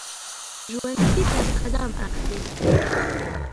ژوندي تل قدم اخلي